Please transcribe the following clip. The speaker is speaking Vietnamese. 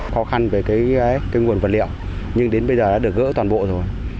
khó khăn về cái nguồn vật liệu nhưng đến bây giờ đã được gỡ toàn bộ rồi